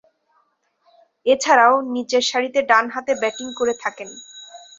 এছাড়াও, নিচেরসারিতে ডানহাতে ব্যাটিং করে থাকেন।